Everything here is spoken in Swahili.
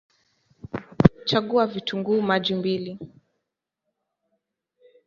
Chagua vitunguu maji mbili